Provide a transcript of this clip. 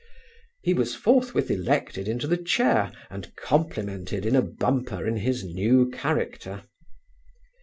He was forthwith elected into the chair, and complimented in a bumper in his new character.